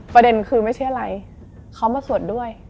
ประเด็นคือไม่ใช่อะไรเขามาสวดด้วย